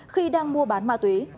khi đang mua bán ma túy